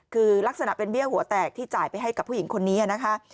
คือลักษณะเป็นเบี้ยหัวแตกที่จ่ายไปให้กับผู้หญิงคนนี้นะคะ